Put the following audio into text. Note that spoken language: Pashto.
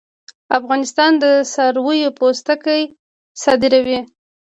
افغانستان د څارویو پوستکي صادروي